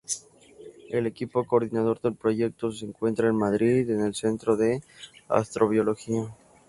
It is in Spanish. El equipo coordinador del proyecto se encuentra en Madrid en el Centro de Astrobiología.